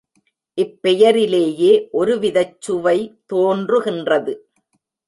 இப் பெயரிலேயே ஒருவிதச் சுவை தோன்றுகின்றது.